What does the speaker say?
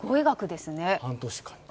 半年間に。